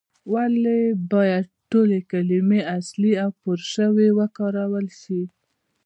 ولې باید ټولې کلمې اصلي او پورشوي وکارول شي؟